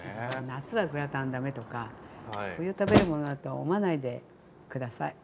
夏はグラタン駄目とか冬食べるものだとは思わないで下さい。